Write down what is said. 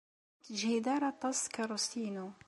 Ur tejhid ara aṭas tkeṛṛust-inu.